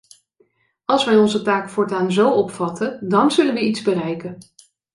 Als wij onze taak voortaan zo opvatten, dan zullen wij iets bereiken.